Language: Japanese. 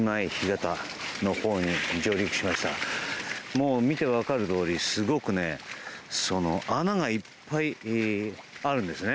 もう見て分かるとおり穴がいっぱいあるんですね。